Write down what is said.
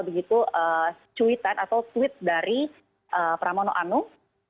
begitu cuitan atau tweet dari pramono anung